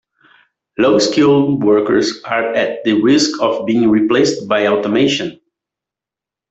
Low-skilled workers are at the risk of being replaced by automation.